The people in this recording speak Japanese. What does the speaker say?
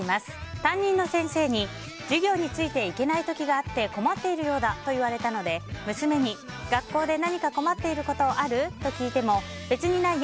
担任の先生に授業についていけない時があって困っているようだと言われたので娘に学校で何か困っていることある？と聞いても、別にないよ